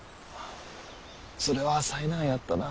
それは災難やったなぁ。